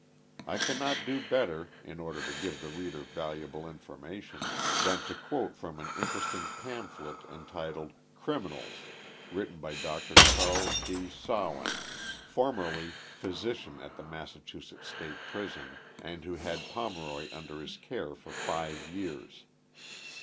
1 cannot do better, in order to give the reader valuable in formation, than to quote from an interesting pamphlet, entitled, u Criminals,*' written by Dr. Charles D. Sawin, fonnerW physi cian at the Massachusetts State Prison, and who had Pomeroy under his care for live years.